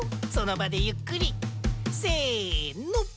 そのばでゆっくりせの！